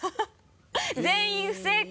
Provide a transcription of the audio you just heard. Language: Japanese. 全員不正解。